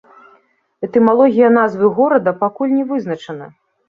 Этымалогія назвы горада пакуль не вызначана.